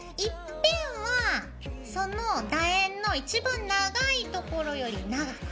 １辺はそのだ円の一番長い所より長く。